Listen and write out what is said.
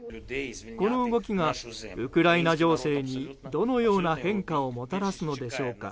この動きがウクライナ情勢にどのような変化をもたらすのでしょうか。